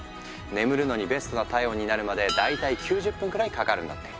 眠るのにベストな体温になるまで大体９０分くらいかかるんだって。